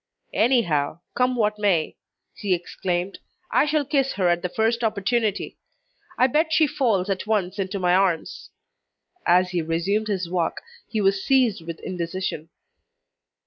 "Anyhow, come what may," he exclaimed, "I shall kiss her at the first opportunity. I bet she falls at once into my arms." As he resumed his walk, he was seized with indecision.